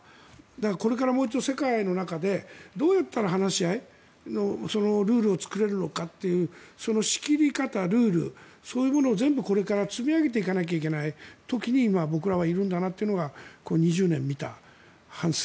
これからもう一度、世界の中でどうやったら話し合いのルールを作れるのかというその仕切り方、ルールそういうものを全部これから積み上げていかなきゃいけない時に僕らはいるんだなというのが２０年見た反省。